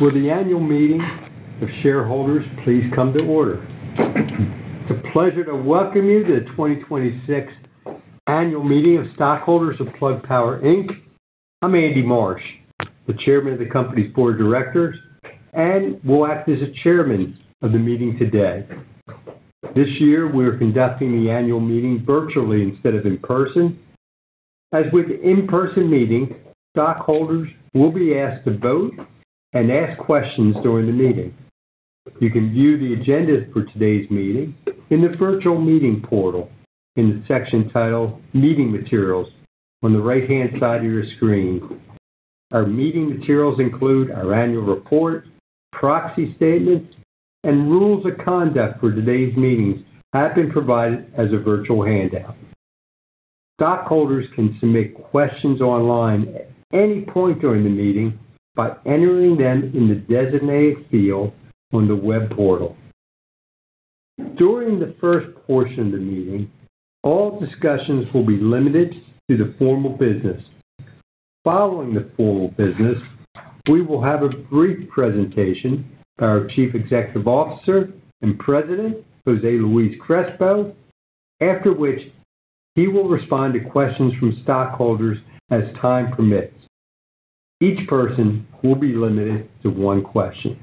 Will the Annual Meeting of Shareholders please come to order? It's a pleasure to welcome you to the 2026 Annual Meeting of Stockholders of Plug Power Inc. I'm Andy Marsh, the Chairman of the company's Board of Directors, and will act as a Chairman of the meeting today. This year, we are conducting the annual meeting virtually instead of in person. As with the in-person meeting, stockholders will be asked to vote and ask questions during the meeting. You can view the agenda for today's meeting in the virtual meeting portal in the section titled Meeting Materials, on the right-hand side of your screen. Our meeting materials include our annual report, proxy statements, and rules of conduct for today's meetings have been provided as a virtual handout. Stockholders can submit questions online at any point during the meeting by entering them in the designated field on the web portal. During the first portion of the meeting, all discussions will be limited to the formal business. Following the formal business, we will have a brief presentation by our Chief Executive Officer and President, Jose Luis Crespo, after which he will respond to questions from stockholders as time permits. Each person will be limited to one question.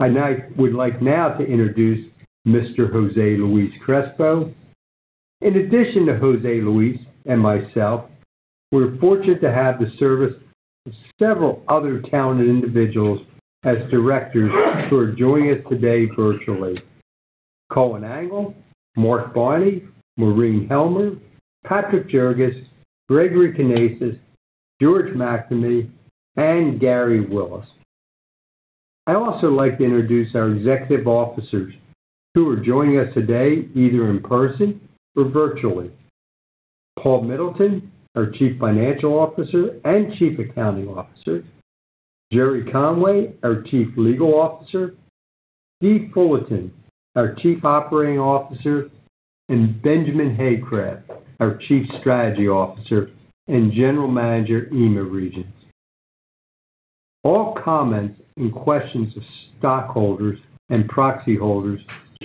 I would like now to introduce Mr. Jose Luis Crespo. In addition to Jose Luis and myself, we're fortunate to have the service of several other talented individuals as directors who are joining us today virtually. Colin Angle, Mark Bonney, Maureen Helmer, Patrick Joggerst, Gregory Kenausis, George McNamee, and Gary Willis. I'd also like to introduce our Executive Officers who are joining us today, either in person or virtually. Paul Middleton, our Chief Financial Officer and Chief Accounting Officer, Gerry Conway, our Chief Legal Officer, Dean Fullerton, our Chief Operating Officer, and Benjamin Haycraft, our Chief Strategy Officer and General Manager, EMEA regions. All comments and questions of stockholders and proxy holders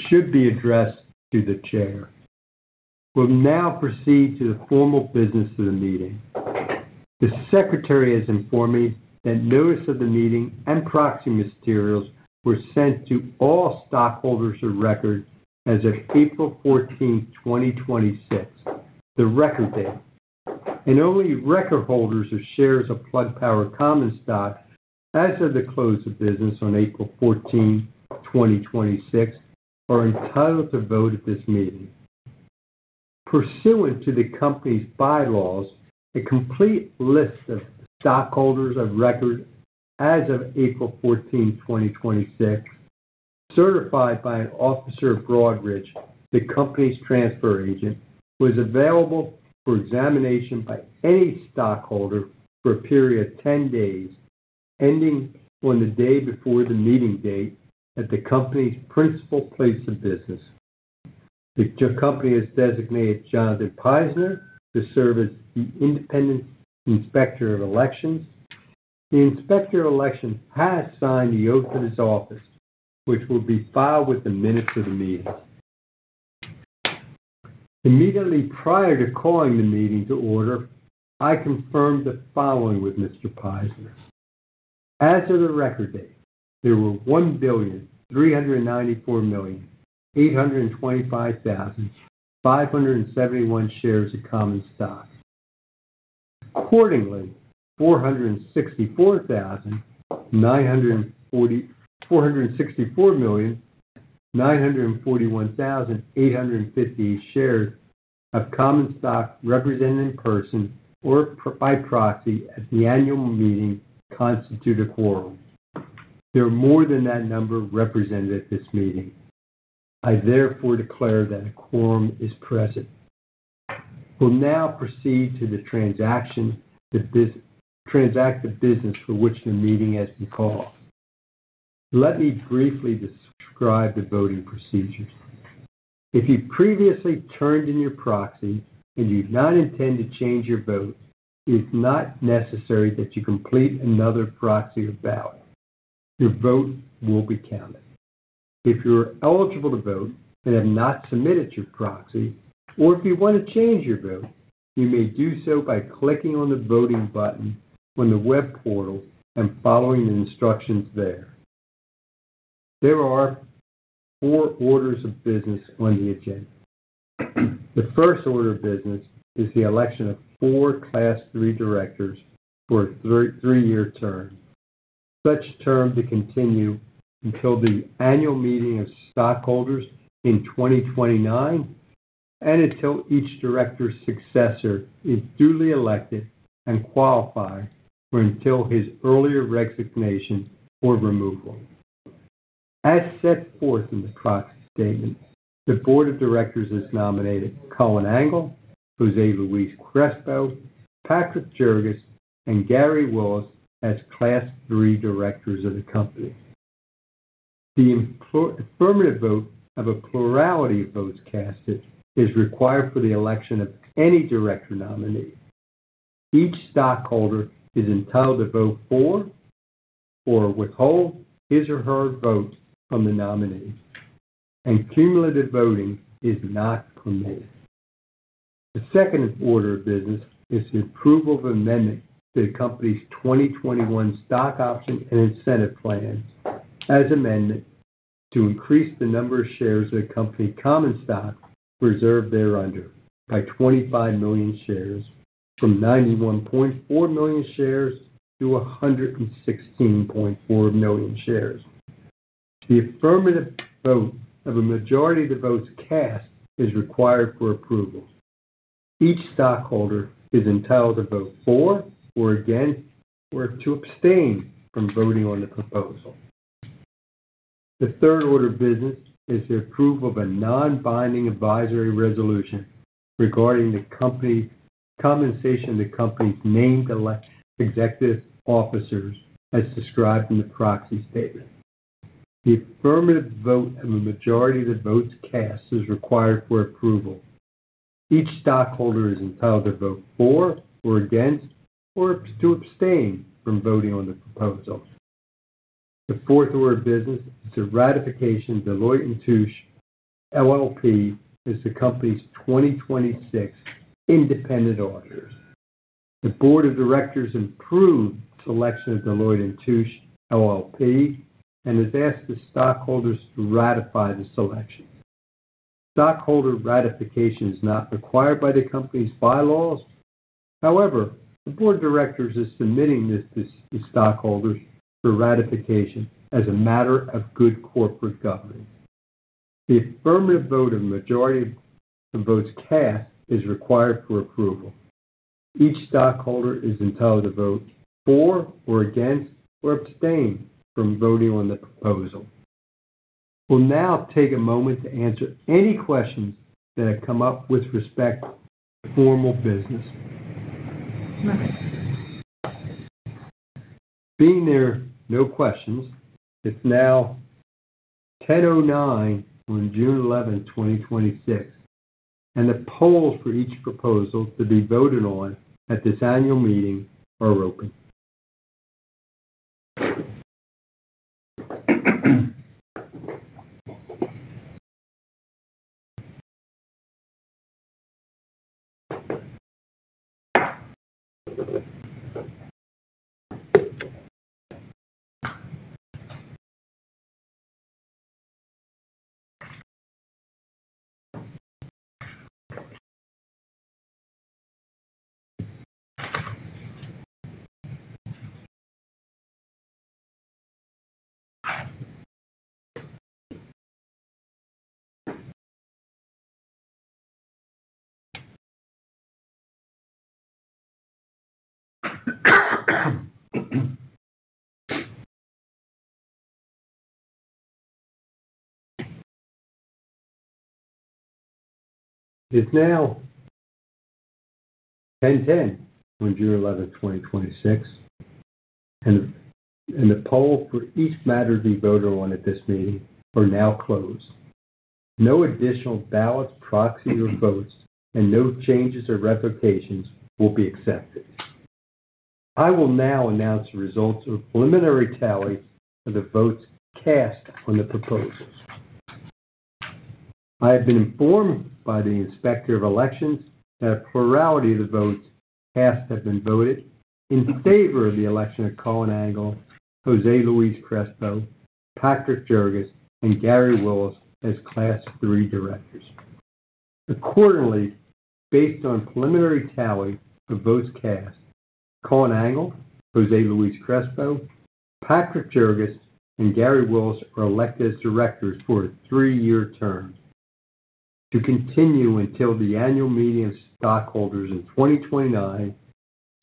should be addressed to the chair. We'll now proceed to the formal business of the meeting. The secretary has informed me that notice of the meeting and proxy materials were sent to all stockholders of record as of April 14th, 2026, the record date. Only record holders of shares of Plug Power common stock as of the close of business on April 14, 2026 are entitled to vote at this meeting. Pursuant to the company's bylaws, a complete list of stockholders of record as of April 14, 2026, certified by an officer of Broadridge, the company's transfer agent, was available for examination by any stockholder for a period of 10 days, ending on the day before the meeting date, at the company's principal place of business. The company has designated Jonathan [Prisener] to serve as the independent inspector of elections. The inspector of elections has signed the oath of his office, which will be filed with the minutes of the meeting. Immediately prior to calling the meeting to order, I confirmed the following with Mr. [Prisner]. As of the record date, there were 1,394,825,571 shares of common stock. Accordingly, 464,941,858 shares of common stock represented in person or by proxy at the annual meeting constitute a quorum. There are more than that number represented at this meeting. I therefore declare that a quorum is present. We'll now proceed to transact the business for which the meeting has been called. Let me briefly describe the voting procedures. If you previously turned in your proxy and you do not intend to change your vote, it's not necessary that you complete another proxy or ballot. Your vote will be counted. If you're eligible to vote and have not submitted your proxy, or if you want to change your vote, you may do so by clicking on the voting button on the web portal and following the instructions there. There are four orders of business on the agenda. The first order of business is the election of four Class III Directors for a three-year term, such term to continue until the Annual Meeting of Stockholders in 2029, and until each Director's successor is duly elected and qualified, or until his earlier resignation or removal. As set forth in the proxy statement, the Board of Directors has nominated Colin Angle, Jose Luis Crespo, Patrick Joggerst, and Gary Willis as Class III Directors of the company. The affirmative vote of a plurality of votes cast is required for the election of any Director nominee. Each stockholder is entitled to vote for or withhold his or her vote from the nominee, and cumulative voting is not permitted. The second order of business is the approval of amendment to the company's 2021 Stock Option and Incentive Plan as amended to increase the number of shares of company common stock reserved thereunder by 25 million shares from 91.4 million shares to 116.4 million shares. The affirmative vote of a majority of the votes cast is required for approval. Each stockholder is entitled to vote for or against or to abstain from voting on the proposal. The third order of business is the approval of a non-binding advisory resolution regarding the compensation of the company's named Executive Officers as described in the proxy statement. The affirmative vote of a majority of the votes cast is required for approval. Each stockholder is entitled to vote for or against or to abstain from voting on the proposal. The fourth order of business is the ratification of Deloitte & Touche LLP as the company's 2026 independent auditors. The Board of Directors approved selection of Deloitte & Touche LLP and has asked the stockholders to ratify the selection. Stockholder ratification is not required by the company's bylaws. However, the Board of Directors is submitting this to stockholders for ratification as a matter of good corporate governance. The affirmative vote of majority of votes cast is required for approval. Each stockholder is entitled to vote for or against or abstain from voting on the proposal. We'll now take a moment to answer any questions that have come up with respect to formal business. Being there are no questions, it's now 10:09 A.M. on June 11th, 2026, and the polls for each proposal to be voted on at this annual meeting are open. It's now 10:10 on June 11th, 2026. The polls for each matter to be voted on at this meeting are now closed. No additional ballots, proxies, or votes and no changes or revocations will be accepted. I will now announce the results of the preliminary tally of the votes cast on the proposals. I have been informed by the Inspector of Elections that a plurality of the votes cast have been voted in favor of the election of Colin Angle, Jose Luis Crespo, Patrick Joggerst, and Gary Willis as Class III Directors. Accordingly, based on preliminary tally of votes cast, Colin Angle, Jose Luis Crespo, Patrick Joggerst, and Gary Willis are elected as Directors for a three-year term to continue until the Annual Meeting of Stockholders in 2029,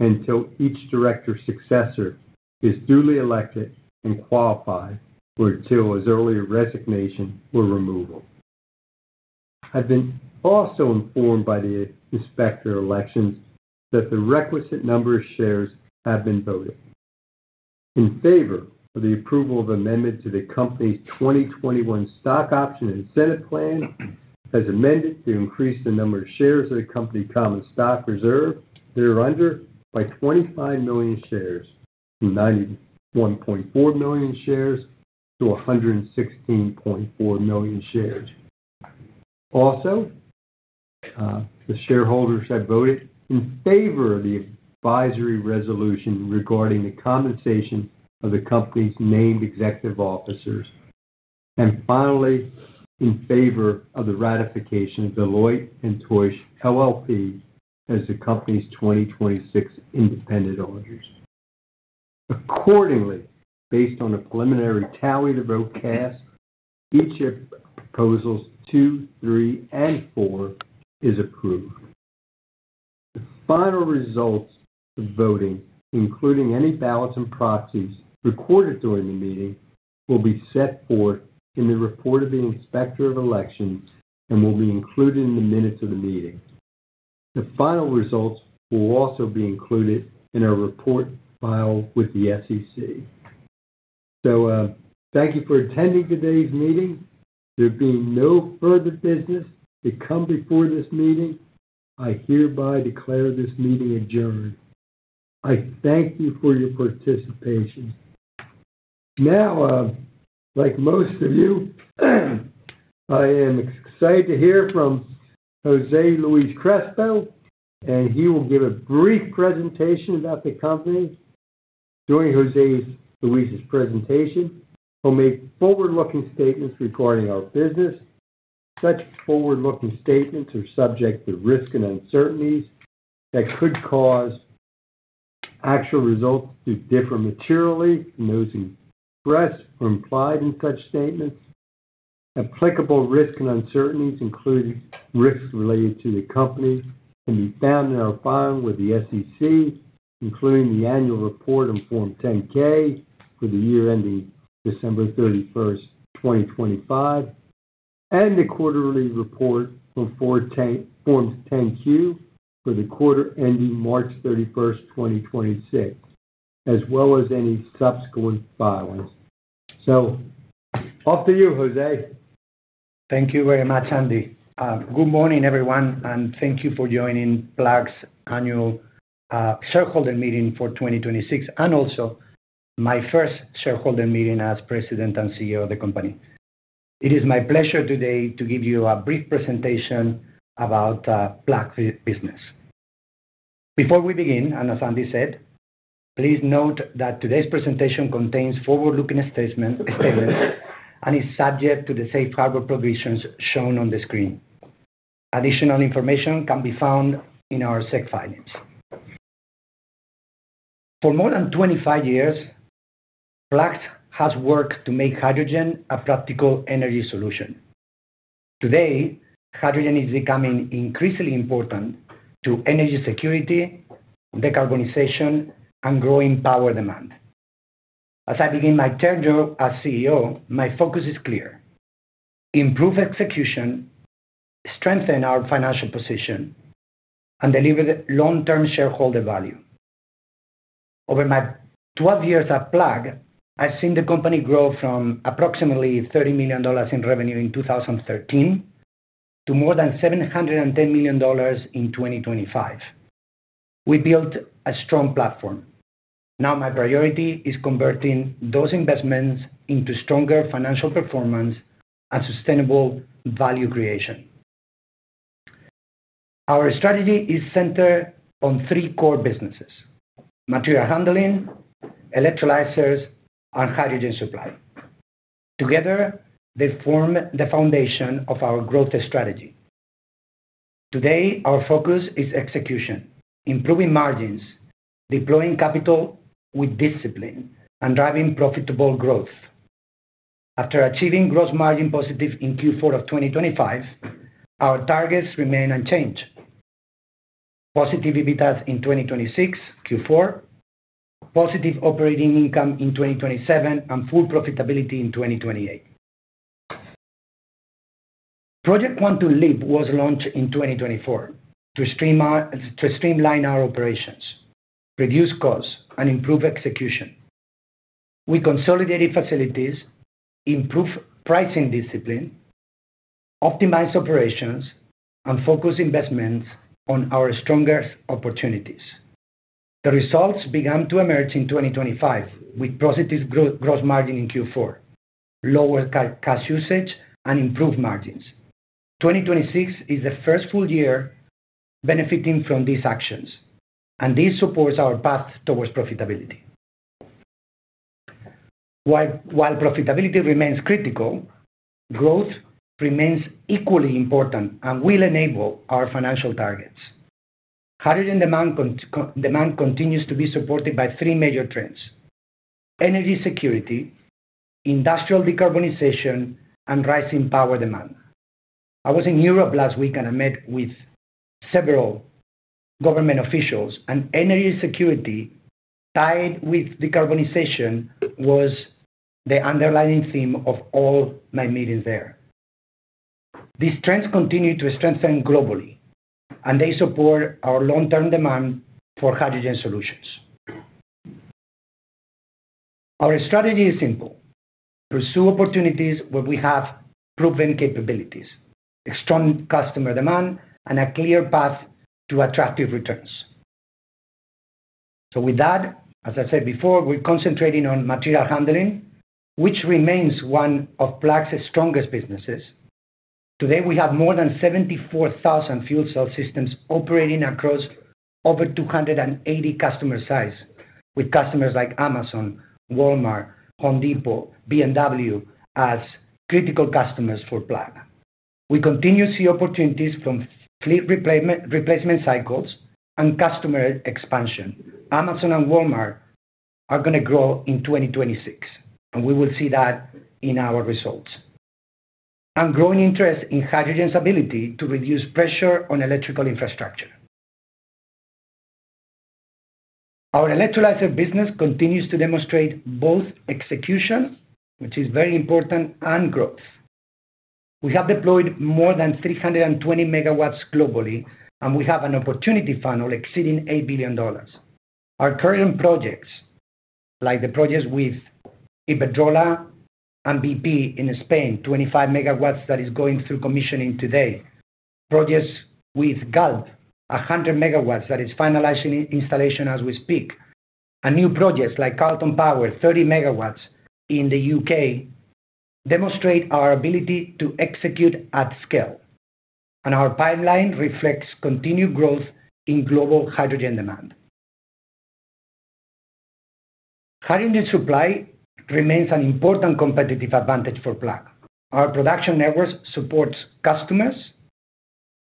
until each Director's successor is duly elected and qualified, or until his earlier resignation or removal. I've been also informed by the Inspector of Elections that the requisite number of shares have been voted in favor of the approval of amendment to the company's 2021 Stock Option and Incentive Plan as amended to increase the number of shares of the company common stock reserved thereunder by 25 million shares from 91.4 million shares to 116.4 million shares. The shareholders have voted in favor of the advisory resolution regarding the compensation of the company's named executive officers. Finally, in favor of the ratification of Deloitte & Touche LLP as the company's 2026 independent auditors. Accordingly, based on the preliminary tally of the vote cast, each of proposals two, three, and four is approved. The final results of voting, including any ballots and proxies recorded during the meeting, will be set forth in the report of the Inspector of Elections and will be included in the minutes of the meeting. The final results will also be included in our report filed with the SEC. Thank you for attending today's meeting. There being no further business to come before this meeting, I hereby declare this meeting adjourned. I thank you for your participation. Now, like most of you, I am excited to hear from Jose Luis Crespo. He will give a brief presentation about the company. During Jose Luis's presentation, he'll make forward-looking statements regarding our business. Such forward-looking statements are subject to risks and uncertainties that could cause actual results to differ materially from those expressed or implied in such statements. Applicable risks and uncertainties, including risks related to the company, can be found in our filing with the SEC, including the annual report on Form 10-K for the year ending December 31st, 2025, and the quarterly report on Form 10-Q for the quarter ending March 31st, 2026, as well as any subsequent filings. Off to you, Jose. Thank you very much, Andy. Good morning, everyone, thank you for joining Plug's Annual Shareholder Meeting for 2026, also my first shareholder meeting as President and CEO of the company. It is my pleasure today to give you a brief presentation about Plug's business. Before we begin, as Andy said, please note that today's presentation contains forward-looking statements and is subject to the Safe Harbor provisions shown on the screen. Additional information can be found in our SEC filings. For more than 25 years, Plug has worked to make hydrogen a practical energy solution. Today, hydrogen is becoming increasingly important to energy security, decarbonization, and growing power demand. As I begin my tenure as CEO, my focus is clear: improve execution, strengthen our financial position, and deliver long-term shareholder value. Over my 12 years at Plug, I've seen the company grow from approximately $30 million in revenue in 2013 to more than $710 million in 2025. We built a strong platform. My priority is converting those investments into stronger financial performance and sustainable value creation. Our strategy is centered on three core businesses, material handling, electrolyzers, and hydrogen supply. They form the foundation of our growth strategy. Our focus is execution, improving margins, deploying capital with discipline, and driving profitable growth. After achieving gross margin positive in Q4 of 2025, our targets remain unchanged. Positive EBITDAs in 2026 Q4, positive operating income in 2027, and full profitability in 2028. Project Quantum Leap was launched in 2024 to streamline our operations, reduce costs, and improve execution. We consolidated facilities, improved pricing discipline, optimized operations, and focused investments on our strongest opportunities. The results began to emerge in 2025 with positive gross margin in Q4, lower cash usage, and improved margins. 2026 is the first full year benefiting from these actions, this supports our path towards profitability. While profitability remains critical, growth remains equally important and will enable our financial targets. Hydrogen demand continues to be supported by three major trends: energy security, industrial decarbonization, and rising power demand. I was in Europe last week and I met with several government officials, energy security tied with decarbonization was the underlying theme of all my meetings there. These trends continue to strengthen globally, they support our long-term demand for hydrogen solutions. Our strategy is simple, pursue opportunities where we have proven capabilities, strong customer demand, and a clear path to attractive returns. With that, as I said before, we're concentrating on material handling, which remains one of Plug's strongest businesses. Today, we have more than 74,000 fuel cell systems operating across over 280 customer sites with customers like Amazon, Walmart, Home Depot, BMW as critical customers for Plug. We continue to see opportunities from fleet replacement cycles and customer expansion. Amazon and Walmart are going to grow in 2026, we will see that in our results. Growing interest in hydrogen's ability to reduce pressure on electrical infrastructure. Our electrolyzer business continues to demonstrate both execution, which is very important, and growth. We have deployed more than 320 MW globally, we have an opportunity funnel exceeding $8 billion. Our current projects, like the projects with Iberdrola and BP in Spain, 25 MW that is going through commissioning today, projects with Galp, 100 MW that is finalizing installation as we speak, and new projects like Carlton Power, 30 MW in the U.K., demonstrate our ability to execute at scale. Our pipeline reflects continued growth in global hydrogen demand. Hydrogen supply remains an important competitive advantage for Plug. Our production networks support customers,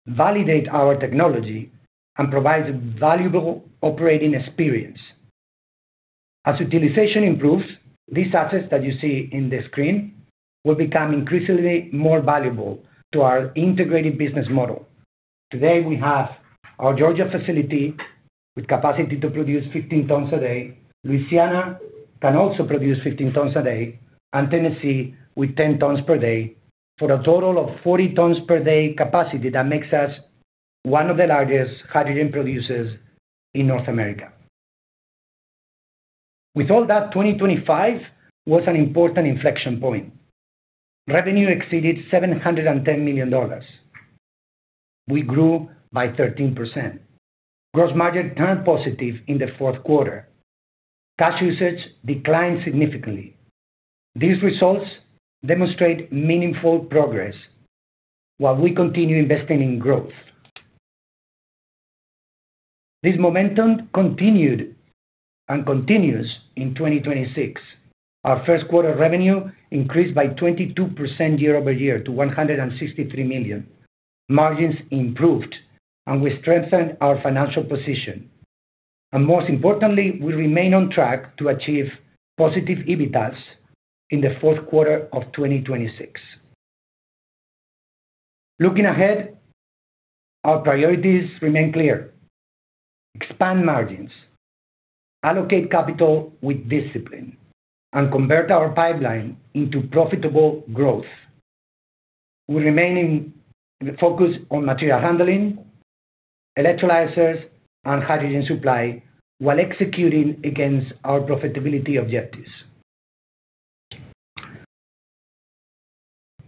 validate our technology, and provide valuable operating experience. As utilization improves, these assets that you see on the screen will become increasingly more valuable to our integrated business model. Today, we have our Georgia facility with capacity to produce 15 tons a day. Louisiana can also produce 15 tons a day, and Tennessee with 10 tons per day, for a total of 40 tons per day capacity. That makes us one of the largest hydrogen producers in North America. With all that, 2025 was an important inflection point. Revenue exceeded $710 million. We grew by 13%. Gross margin turned positive in the fourth quarter. Cash usage declined significantly. These results demonstrate meaningful progress while we continue investing in growth. This momentum continued, and continues, in 2026. Our first quarter revenue increased by 22% year-over-year to $163 million. Margins improved, and we strengthened our financial position. Most importantly, we remain on track to achieve positive EBITDAs in the fourth quarter of 2026. Looking ahead, our priorities remain clear. Expand margins, allocate capital with discipline, and convert our pipeline into profitable growth. We remain focused on material handling, electrolyzers, and hydrogen supply while executing against our profitability objectives.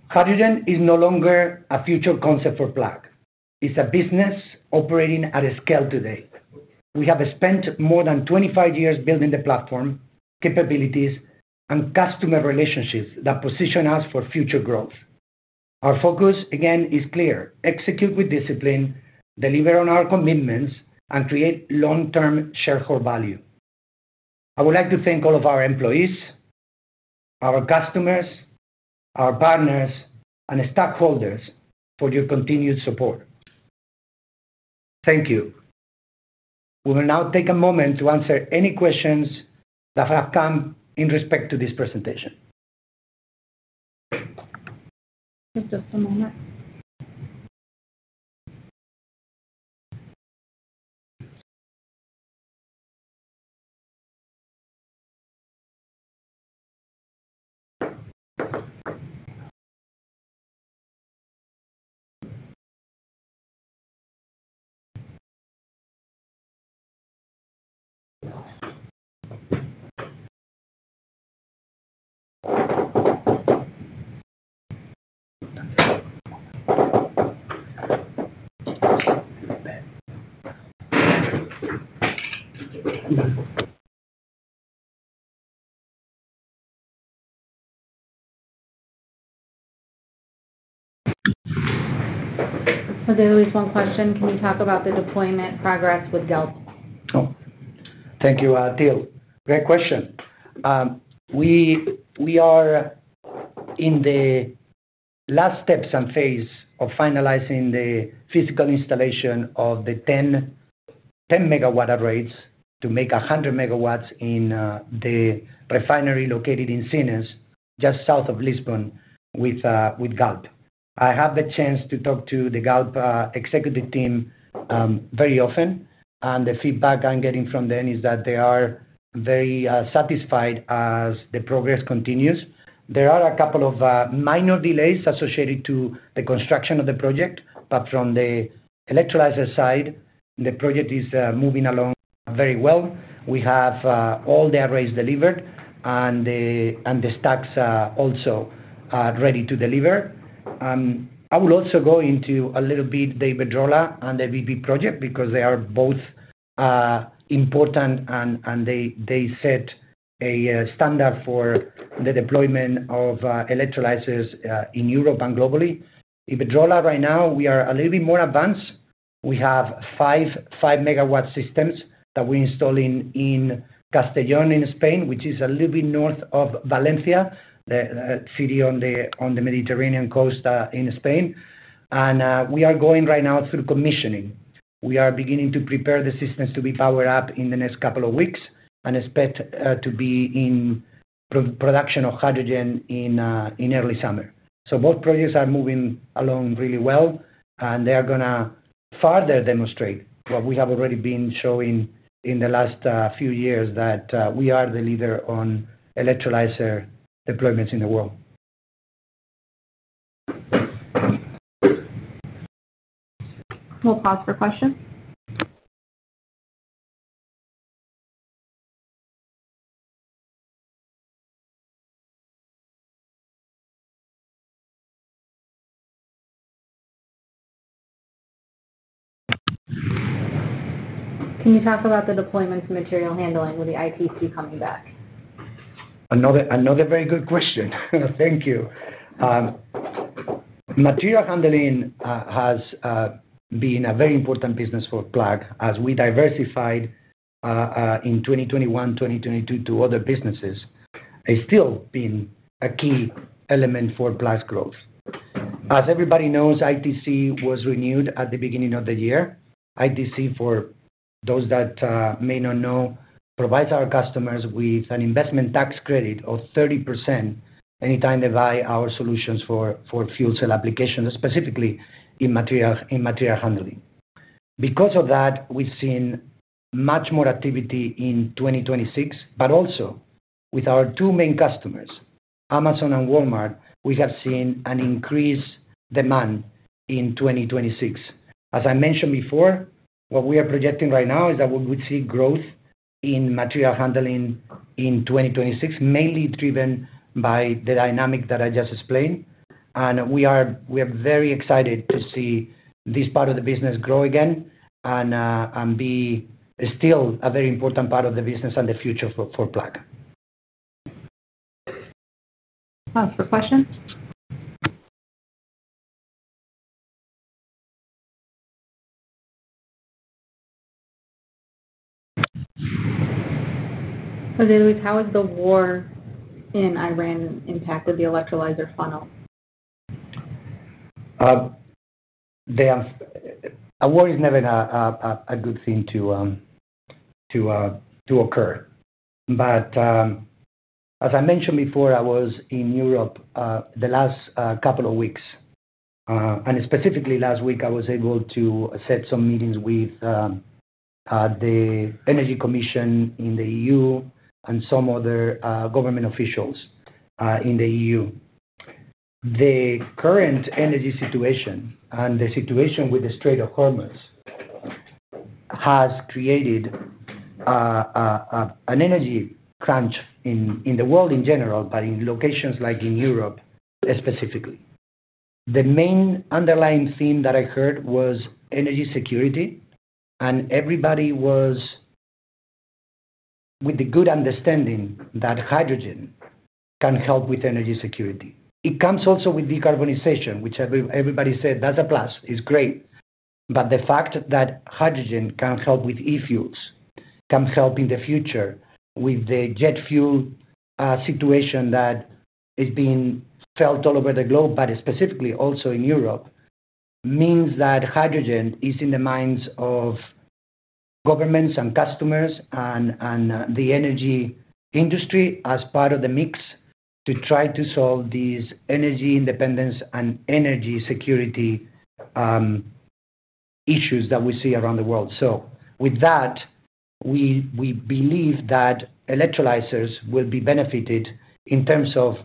Hydrogen is no longer a future concept for Plug. It's a business operating at scale today. We have spent more than 25 years building the platform, capabilities, and customer relationships that position us for future growth. Our focus, again, is clear. Execute with discipline, deliver on our commitments, and create long-term shareholder value. I would like to thank all of our employees, our customers, our partners, and stakeholders for your continued support. Thank you. We will now take a moment to answer any questions that have come in respect to this presentation. Just a moment. There was one question, can we talk about the deployment progress with Galp? Thank you, Teal. Great question. We are in the last steps and phase of finalizing the physical installation of the 10 MW arrays to make 100 MW in the refinery located in Sines, just south of Lisbon, with Galp. I have the chance to talk to the Galp executive team very often, the feedback I'm getting from them is that they are very satisfied as the progress continues. There are a couple of minor delays associated to the construction of the project, from the electrolyzer side, the project is moving along very well. We have all the arrays delivered, the stacks are also ready to deliver. I will also go into, a little bit, the Iberdrola and the BP project, because they are both important, they set a standard for the deployment of electrolyzers in Europe and globally. Iberdrola, right now, we are a little bit more advanced. We have five 5 MW systems that we install in Castellón in Spain, which is a little bit north of Valencia, the city on the Mediterranean coast in Spain. We are going right now through commissioning. We are beginning to prepare the systems to be powered up in the next couple of weeks. Expect to be in production of hydrogen in early summer. Both projects are moving along really well, they are going to farther demonstrate what we have already been showing in the last few years, that we are the leader on electrolyzer deployments in the world. We'll pause for questions. Can you talk about the deployments material handling with the ITC coming back? Another very good question. Thank you. Material handling has been a very important business for Plug. As we diversified in 2021-2022 to other businesses, it's still been a key element for Plug's growth. As everybody knows, ITC was renewed at the beginning of the year. ITC, for those that may not know, provides our customers with an investment tax credit of 30% anytime they buy our solutions for fuel cell applications, specifically in material handling. Because of that, we've seen much more activity in 2026, also with our two main customers, Amazon and Walmart, we have seen an increased demand in 2026. As I mentioned before, what we are projecting right now is that we would see growth in material handling in 2026, mainly driven by the dynamic that I just explained. We are very excited to see this part of the business grow again and be still a very important part of the business and the future for Plug. Pause for questions. Jose Luis, how has the war in Iran impacted the electrolyzer funnel? A war is never a good thing to occur. As I mentioned before, I was in Europe the last couple of weeks. Specifically last week, I was able to set some meetings with the Energy Commission in the EU and some other government officials in the EU. The current energy situation and the situation with the Strait of Hormuz has created an energy crunch in the world in general, but in locations like in Europe specifically. The main underlying theme that I heard was energy security, and everybody was with the good understanding that hydrogen can help with energy security. It comes also with decarbonization, which everybody said that's a plus, it's great. The fact that hydrogen can help with e-fuels, can help in the future with the jet fuel situation that is being felt all over the globe, but specifically also in Europe, means that hydrogen is in the minds of governments and customers and the energy industry as part of the mix to try to solve these energy independence and energy security issues that we see around the world. With that, we believe that electrolyzers will benefit in terms of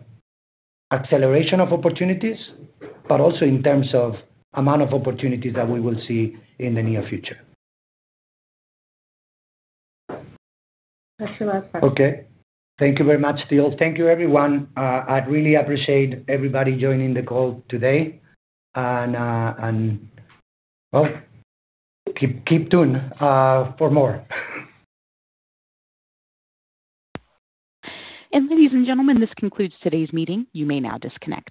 acceleration of opportunities, but also in terms of amount of opportunities that we will see in the near future. That's your last question. Okay. Thank you very much, Teal. Thank you, everyone. I really appreciate everybody joining the call today. Well, keep tuned for more. Ladies and gentlemen, this concludes today's meeting. You may now disconnect.